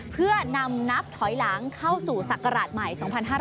เพื่อนำนับถอยหลังเข้าสู่ศักราชใหม่๒๕๕๙